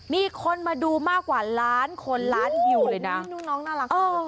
มีคนมาดูมากกว่าล้านคนล้านวิวเลยนะพี่น้องน่ารักมาก